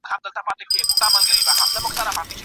د لرګیو تجارت د ځنګلي سیمو څخه ښارونو ته څنګه کيده؟